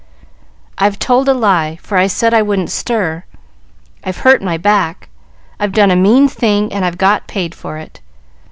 "I've told a lie, for I said I wouldn't stir. I've hurt my back, I've done a mean thing, and I've got paid for it.